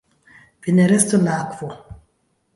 "Vi ne restu en la akvo!"